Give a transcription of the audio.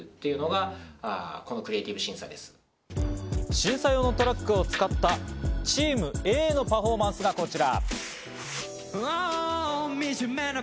審査用のトラックを使ったチームＡのパフォーマンスがこちら。